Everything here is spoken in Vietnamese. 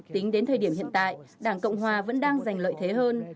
tính đến thời điểm hiện tại đảng cộng hòa vẫn đang giành lợi thế hơn